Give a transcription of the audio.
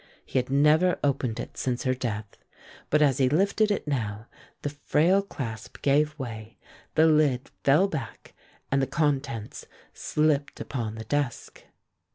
He had never opened it since her death, but as he lifted it now the frail clasp gave way, the lid fell back, and the contents slipped upon the desk.